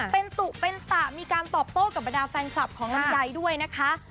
เป็นตุเป็นตะมีการตอบโต้กับบรรดาแฟนคลับของลำไยด้วยนะคะ